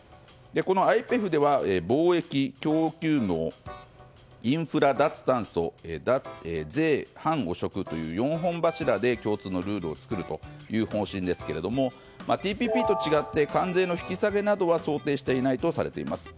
このＩＰＥＦでは貿易、供給網インフラ・脱炭素税・反汚職という４本柱で共通のルールを作る方針ですけれどもＴＰＰと違って関税の引き下げなどは想定していないとされています。